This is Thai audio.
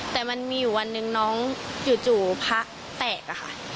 แต่มันมีอยู่วันหนึ่งน้องจู่พระแตกอะค่ะ